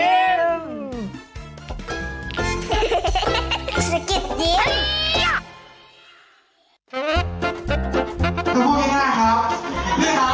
พูดง่ายครับนี่ครับอันนี้คือเขาครับ